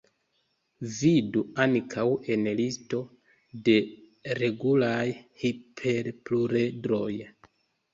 Vidu ankaŭ en listo de regulaj hiperpluredroj.